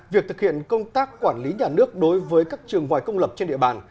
việc thực hiện công tác quản lý nhà nước đối với các trường ngoài công lập trên địa bàn